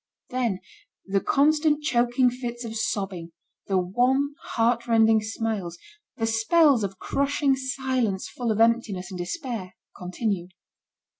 Then, the constant choking fits of sobbing, the wan, heartrending smiles, the spells of crushing silence full of emptiness and despair, continued.